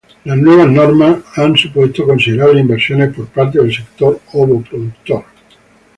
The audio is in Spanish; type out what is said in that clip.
La nueva norma ha supuesto considerables inversiones por parte del sector ovo productor.